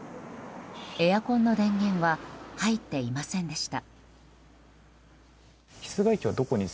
エアコンの電源は入っていませんでした。